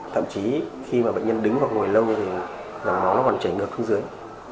thậm chí khi mà bệnh nhân đứng vào ngồi lâu thì dòng máu nó còn chảy ngược xuống dưới